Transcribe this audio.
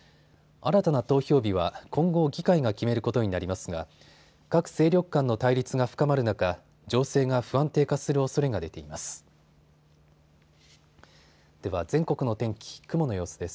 新たな投票日は今後、議会が決めることになりますが各勢力間の対立が深まる中、情勢が不安定化するおそれが出ています。